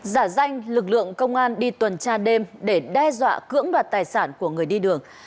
giả danh lực lượng công an đi tuần tra đêm để đe dọa cưỡng đoạt tài sản của người đi đường